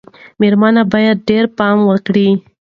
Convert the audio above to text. مېرمنې باید ډېر پام وکړي.